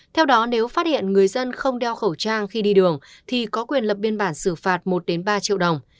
theo đó nếu phát hiện người dân không đeo khẩu trang khi đi đường thì có quyền lập biên bản xử phạt một ba triệu đồng